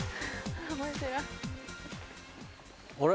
あれ？